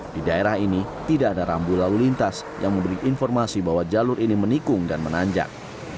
di daerah ini tidak ada rambu lalu lintas yang memberi informasi bahwa jalur ini menikung dan menanjak